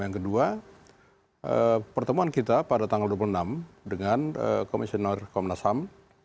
yang kedua pertemuan kita pada tanggal dua puluh enam dengan komisioner komnas ham